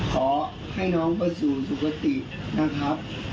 ขอให้น้องประสูจน์สุขตินะครับและผมเป็นพ่อของกราบขอโทษ